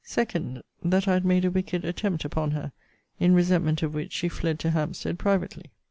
2nd, 'That I had made a wicked attempt upon her; in resentment of which she fled to Hampstead privately.'